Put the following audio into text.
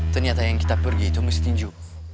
ternyata yang kita pergi itu miss tinju